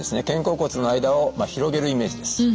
肩甲骨の間を広げるイメージです。